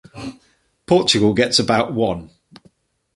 Portugal gets about one.